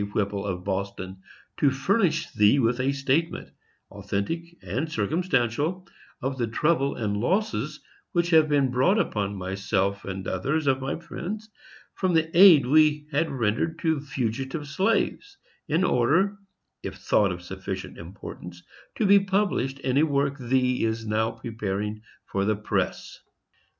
Whipple, of Boston, to furnish thee with a statement, authentic and circumstantial, of the trouble and losses which have been brought upon myself and others of my friends from the aid we had rendered to fugitive slaves, in order, if thought of sufficient importance, to be published in a work thee is now preparing for the press.